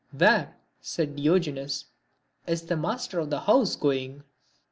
"Where," said Diogenes, "is the master of the house going?"